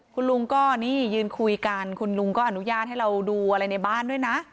คุณลุงก็นี่ยืนคุยกันคุณลุงก็อนุญาตให้เราดูอะไรในบ้านด้วยนะ